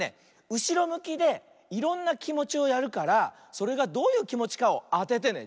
うしろむきでいろんなきもちをやるからそれがどういうきもちかをあててね。